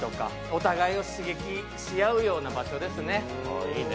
お互いを刺激し合うような場所ですね。